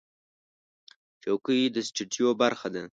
چوکۍ د سټوډیو برخه ده.